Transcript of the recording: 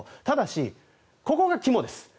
ただし、ここが肝です。